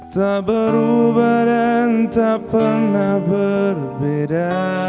tak berubah dan tak pernah berbeda